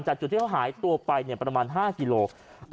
จุดที่เขาหายตัวไปประมาณ๕กิโล